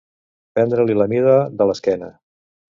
Prendre-li la mida de l'esquena.